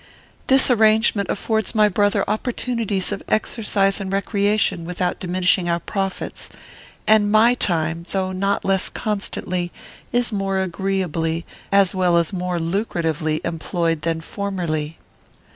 "This arrangement affords my brother opportunities of exercise and recreation, without diminishing our profits; and my time, though not less constantly, is more agreeably, as well as more lucratively, employed than formerly."